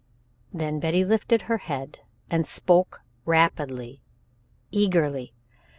Then Betty lifted her head and spoke rapidly eagerly.